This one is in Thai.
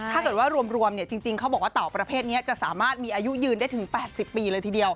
ถ้าเกิดว่ารวมจริงเขาบอกว่าเต่าประเภทนี้จะสามารถมีอายุยืนได้ถึง๘๐ปีเลยทีเดียว